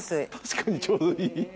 確かにちょうどいい。